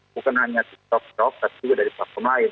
bukan hanya desktop desktop tapi juga dari platform lain